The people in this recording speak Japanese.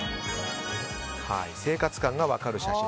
生活感が分かる写真。